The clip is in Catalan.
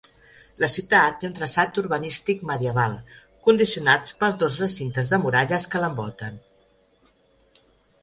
La ciutat té un traçat urbanístic medieval, condicionat pels dos recintes de muralles que l'envolten.